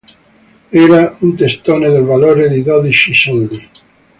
Era un testone del valore di dodici soldi.